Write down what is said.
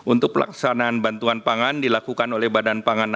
untuk melindungi masyarakat miskin dan rentan